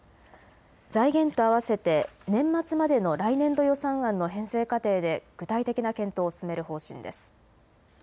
財源と合わせて年末までの来年度予算案の編成過程で具体的な検討を進める方針です。